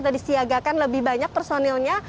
atau disiagakan lebih banyak personilnya